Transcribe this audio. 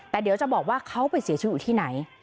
แต่เดี๋ยวจะบอกว่าเขาไปเสียชีวิตอยู่ที่ไหน